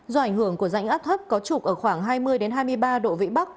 do ảnh hưởng của rãnh áp thấp có trục ở khoảng hai mươi hai mươi ba độ vĩ bắc